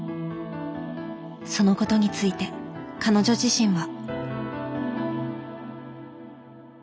そのことについて彼女自身は。